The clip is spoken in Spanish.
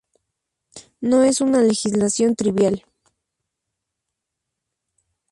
No es una legislación trivial.